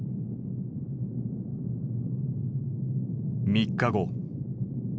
３日後。